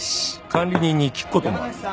管理人に聞く事もある。